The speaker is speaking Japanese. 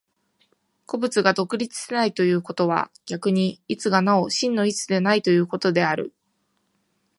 個物が独立せないということは、逆に一がなお真の一でないということである。